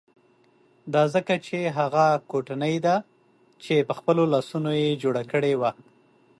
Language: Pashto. دا ځکه چې هغه کوټنۍ ده چې په خپلو لاسو یې جوړه کړې وه.